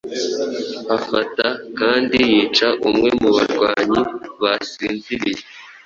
Afata kandi yica umwe mu barwanyi basinziriye